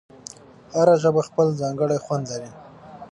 هره ژبه خپل ځانګړی خوند لري.